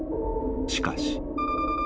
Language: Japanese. ［しかし］